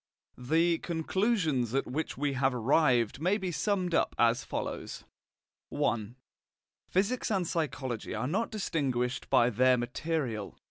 The conclusions at which we have arrived may be summed up as follows: I. Physics and psychology are not distinguished by their material.